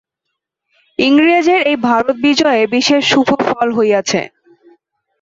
ইংরেজের এই ভারত-বিজয়ে বিশেষ শুভ ফল হইয়াছে।